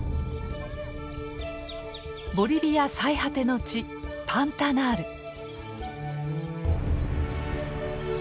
ボリビア最果ての地パンタナール。